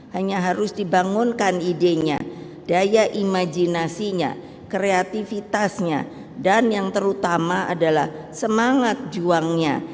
hanya harus dibangunkan idenya daya imajinasinya kreativitasnya dan yang terutama adalah semangat juangnya